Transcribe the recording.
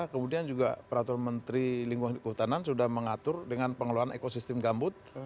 kemudian juga peraturan menteri lingkungan kehutanan sudah mengatur dengan pengelolaan ekosistem gambut